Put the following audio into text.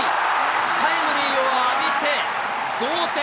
タイムリーを浴びて同点。